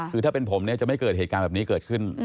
คือถ้าเป็นผมเนี่ยจะไม่เกิดเหตุการณ์แบบนี้เกิดขึ้น